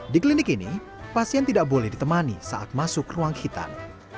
di klinik ini pasien tidak boleh ditemani saat masuk ruang hitam